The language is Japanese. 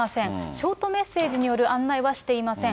ショートメッセージによる案内はしていません。